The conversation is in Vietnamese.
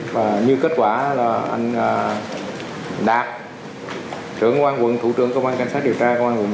và như kết quả là anh đạt trưởng công an quận thủ trưởng công an cảnh sát điều tra